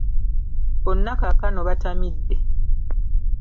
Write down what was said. Bonna kaakano batamidde.